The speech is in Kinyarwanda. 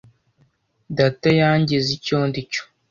Data yangize icyo ndi cyo.